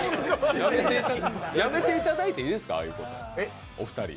やめていただいていいですか、ああいうの、お二人。